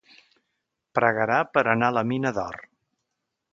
Pregarà per anar a la mina d'or.